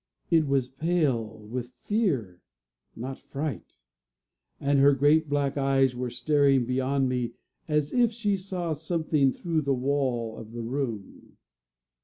It was pale with fear not fright; and her great black eyes were staring beyond me as if she saw something through the wall of the room.